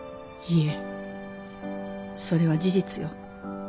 いいえそれは事実よ。